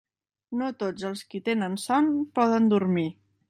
No tots els qui tenen son poden dormir.